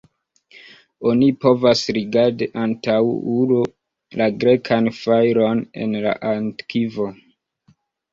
Oni povas rigardi antaŭulo la grekan fajron en la Antikvo.